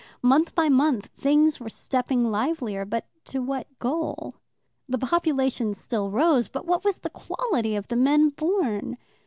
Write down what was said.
Month by month things were stepping livelier, but to what goal? The population still rose, but what was the quality of the men born?